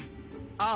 ああ。